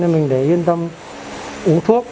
để mình yên tâm uống thuốc